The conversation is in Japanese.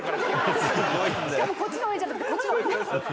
「しかもこっちの応援じゃなくてこっちの応援ね」